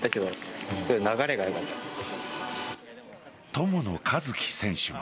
友野一希選手も。